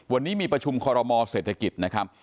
วันนี้มีประชุมคอรมอเศรษฐกิจนะครับ